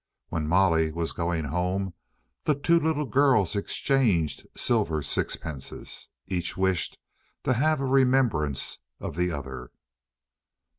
When Molly was going home, the two little girls exchanged silver sixpences. Each wished to have a remembrance of the other.